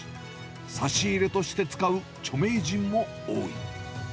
差し入れとして使う著名人も多い。